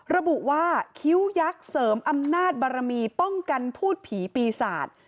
ระบุว่าคิ้วยักษ์เสริมอำนาจบารมีป้องกันพูดผีปีศาจ